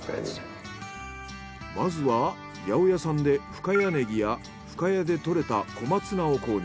まずは八百屋さんで深谷ネギや深谷で採れた小松菜を購入。